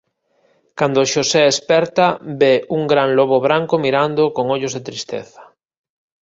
Cando Xosé esperta ve un gran lobo branco mirándoo con ollos de tristeza.